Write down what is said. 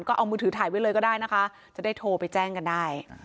ก็เอามือถือถ่ายไว้เลยก็ได้นะคะจะได้โทรไปแจ้งกันได้